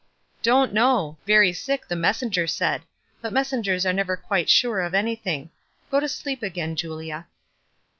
"Don't know — very sick, the messenger bftid ; but messengers are never quite sure of anything. Go to sleep, again, Julia."